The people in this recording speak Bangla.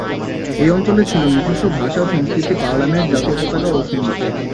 এই অঞ্চলের ছিলো নিজস্ব ভাষা, সংস্কৃতি, পার্লামেন্ট, জাতীয় পতাকা ও সংগীত।